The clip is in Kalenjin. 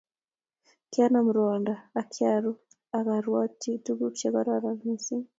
Kinama rwondo akiaru akarwotchi tukuk che keroronen mising